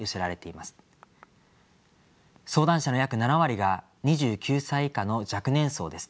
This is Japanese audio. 相談者の約７割が２９歳以下の若年層です。